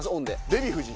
デヴィ夫人。